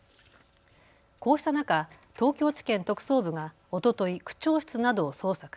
こうした中、東京地検特捜部がおととい区長室などを捜索。